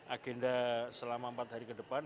agenda selama empat hari ke depan